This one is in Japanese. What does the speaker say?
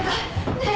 ねえ。